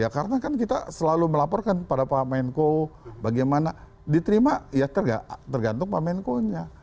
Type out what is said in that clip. karena kita selalu melaporkan pada pak menko bagaimana diterima tergantung pak menko nya